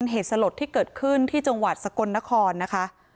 เหตุสลดที่เกิดขึ้นที่จังหวัดสกลนครนะคะ